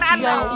mau sedih sunday